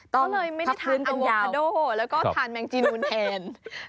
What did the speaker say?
ต้องพักพื้น